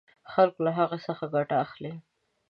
خلک له هغې څخه ګټه اخلي.